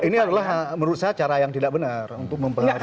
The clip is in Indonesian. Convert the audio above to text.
ini adalah menurut saya cara yang tidak benar untuk mempengaruhi